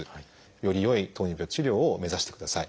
より良い糖尿病治療を目指してください。